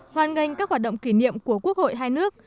hoàn ngành các hoạt động kỷ niệm của quốc hội hai nước